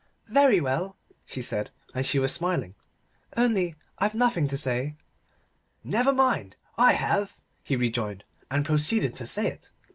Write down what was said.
"Very well," she said, and she was smiling. "Only I've nothing to say." "Never mind; I have," he rejoined, and proceeded to say it.